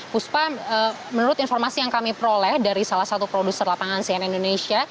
puspa menurut informasi yang kami peroleh dari salah satu produser lapangan cnn indonesia